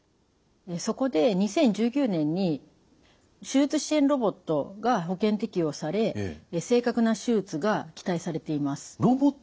そこで２０１９年に手術支援ロボットが保険適用され正確な手術が期待されています。